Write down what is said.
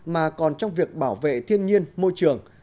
mà còn trong việc bảo vệ thiên nhiên môi trường